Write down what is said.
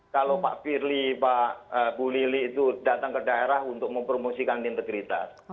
kalau pak firly pak bu lili itu datang ke daerah untuk mempromosikan integritas